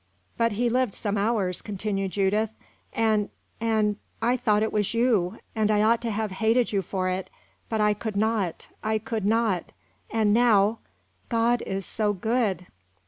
"But he lived some hours," continued Judith, "and and I thought it was you, and I ought to have hated you for it, but I could not; I could not; and now, God is so good!"